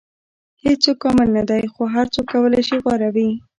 • هیڅوک کامل نه دی، خو هر څوک کولی شي غوره وي.